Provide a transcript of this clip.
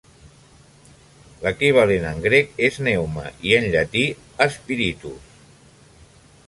L'equivalent en grec és "pneuma" i en llatí "spiritus".